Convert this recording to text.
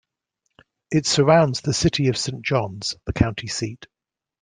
It surrounds the city of Saint Johns, the county seat.